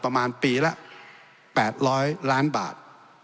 ก็มีกำไรประมาณปีละ๘๐๐ล้านบาท